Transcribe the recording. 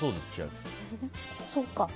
そうか。